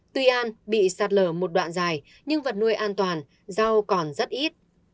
tuy an bị sạt lở một đoạn dài nhưng vật nuôi an toàn rau còn rất ít